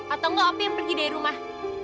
atau enggak apa yang pergi dari rumah